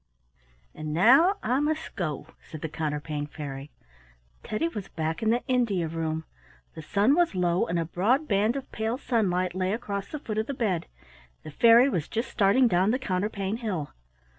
"And now I must go," said the Counterpane Fairy. Teddy was back in the India room. The sun was low, and a broad band of pale sunlight lay across the foot of the bed. The fairy was just starting down the counterpane hill.